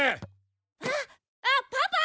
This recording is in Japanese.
あっパパ！